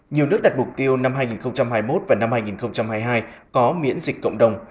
nhiều nước đặt mục tiêu năm hai nghìn hai mươi một và năm hai nghìn hai mươi hai có miễn dịch cộng đồng